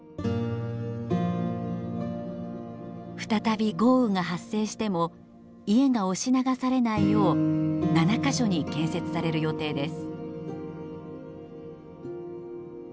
再び豪雨が発生しても家が押し流されないよう７か所に建設される予定です。